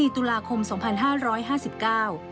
ตุลาคมสองพันห้าร้อยห้าสิบเก้า